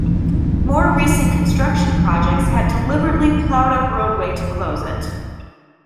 More recent construction projects have deliberately plowed up roadway to close it.